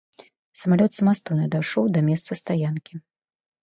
Самалёт самастойна дайшоў да месца стаянкі.